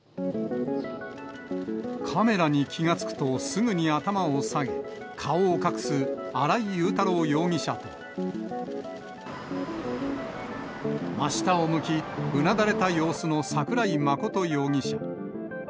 カメラに気が付くと、すぐに頭を下げ、顔を隠す新井雄太郎容疑者と、真下を向き、うなだれた様子の桜井真容疑者。